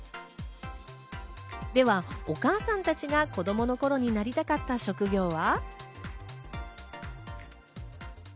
では、お母さんたちが子供の頃になりたかった職業は？